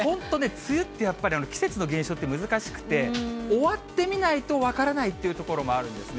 梅雨ってやっぱり、季節の現象って難しくて、終わってみないと分からないっていうところもあるんですね。